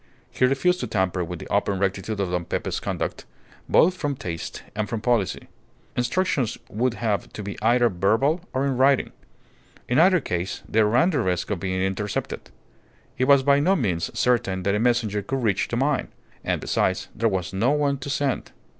He refused to tamper with the open rectitude of Don Pepe's conduct, both from taste and from policy. Instructions would have to be either verbal or in writing. In either case they ran the risk of being intercepted. It was by no means certain that a messenger could reach the mine; and, besides, there was no one to send.